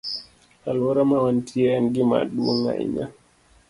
Alwora ma wantie en gima duong' ahinya.